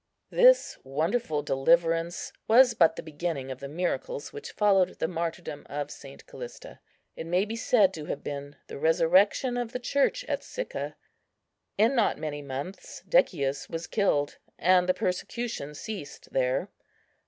This wonderful deliverance was but the beginning of the miracles which followed the martyrdom of St. Callista. It may be said to have been the resurrection of the Church at Sicca. In not many months Decius was killed, and the persecution ceased there.